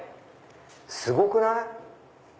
すごくない？